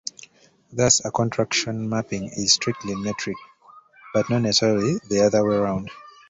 Thus a contraction mapping is strictly metric, but not necessarily the other way around.